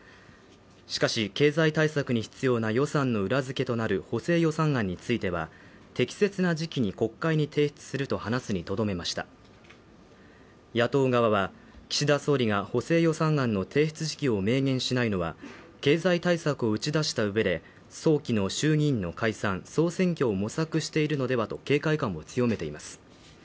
しかし経済対策に必要な予算の裏付けとなる補正予算案については適切な時期に国会に提出すると話すにとどめました野党側は岸田総理が補正予算案の提出時期を明言しないのは経済対策を打ち出したうえで早期の衆議院の解散総選挙を模索しているのではと警戒感を強めています